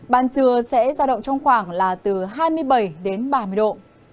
bàn trưa sẽ ra động trong khoảng là từ hai mươi bảy đến ba mươi độ